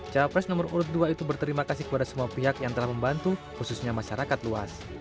capres nomor urut dua itu berterima kasih kepada semua pihak yang telah membantu khususnya masyarakat luas